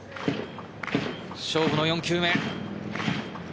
勝負の４球目。